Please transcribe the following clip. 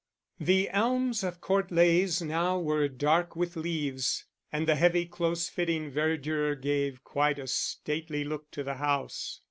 The elms of Court Leys now were dark with leaves; and the heavy, close fitting verdure gave quite a stately look to the house.